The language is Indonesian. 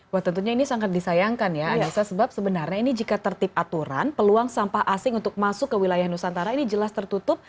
wah tentunya ini sangat disayangkan ya anissa sebab sebenarnya ini jika tertip aturan peluang sampah asing untuk masuk ke wilayah nusantara ini jelas tertutup